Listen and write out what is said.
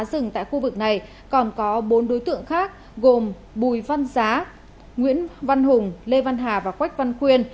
rừng tại khu vực này còn có bốn đối tượng khác gồm bùi văn giá nguyễn văn hùng lê văn hà và quách văn khuyên